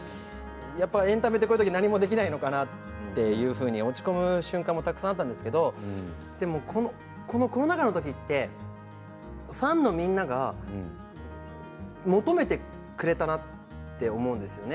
やっぱりエンタメってこういう時、何もできないのかなと落ち込む瞬間もたくさんあったんですけれどこのコロナ禍の時ってファンのみんなが求めてくれたなって思うんですよね。